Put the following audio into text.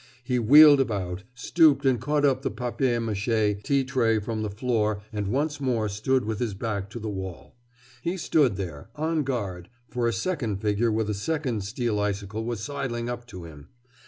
He wheeled about, stooped and caught up the papier mâché tea tray from the floor and once more stood with his back to the wall. He stood there, on guard, for a second figure with a second steel icicle was sidling up to him.